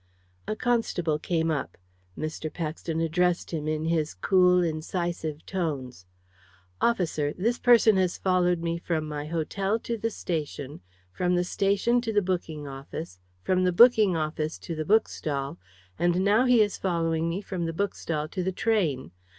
A constable came up. Mr. Paxton addressed him in his cool, incisive tones. "Officer, this person has followed me from my hotel to the station; from the station to the booking office; from the booking office to the bookstall; and now he is following me from the bookstall to the train.